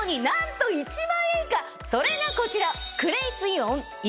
それがこちら！